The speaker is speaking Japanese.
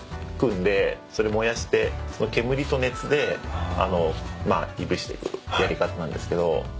組んでそれ燃やしてその煙と熱でいぶしていくやり方なんですけど。